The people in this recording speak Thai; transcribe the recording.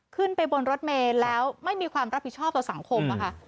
ขึ้นไปบนรถเมย์แล้วไม่มีความรับผิดชอบต่อสังคมนะคะ